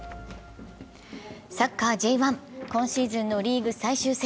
サッカーＪ１、今シーズンのリーグ最終戦。